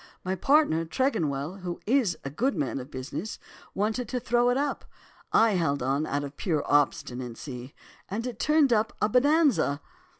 My partner, Tregonwell, who is a good man of business, wanted to throw it up. I held on out of pure obstinacy, and it turned up a "bonanza."